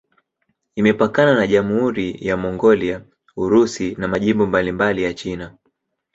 Imepakana na Jamhuri ya Mongolia, Urusi na majimbo mbalimbali ya China.